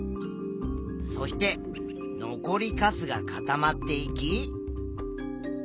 そして残りかすが固まっていき。